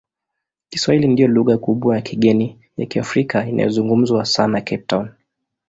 Kiswahili ndiyo lugha kubwa ya kigeni ya Kiafrika inayozungumzwa sana Cape Town.